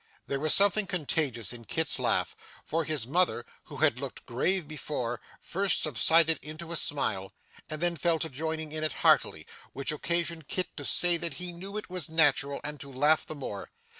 There was something contagious in Kit's laugh, for his mother, who had looked grave before, first subsided into a smile, and then fell to joining in it heartily, which occasioned Kit to say that he knew it was natural, and to laugh the more.